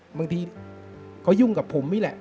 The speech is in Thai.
บางทีเขายุ่งกับผมนี่แหละ